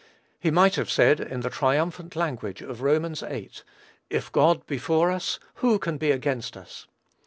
He might have said, in the triumphant language of Romans viii., "If God be for us, who can be against us?"